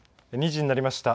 ２時になりました。